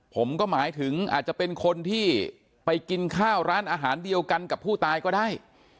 ผมก็หมายถึงอาจจะเป็นคนที่ไปกินข้าวร้านอาหารเดียวกันกับผู้ตายก็ได้